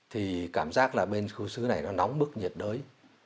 thì cảm giác là bên khu sứ này nó nóng bức nhiệt đới